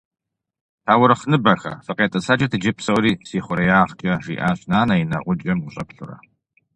«Таурыхъныбэхэ, фӏыкъетӏысӏэкӏыт иджы псори си хъуреягъкӏэ»,- жиӏащ нэнэ и нэгъуджэм къыщӏэплъурэ.